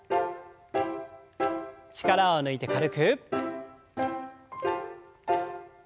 力を抜いて軽く。